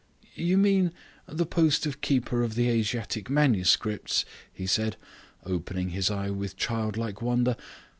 "You mean the post of keeper of the Asiatic manuscripts," he said, opening his eye with childlike wonder.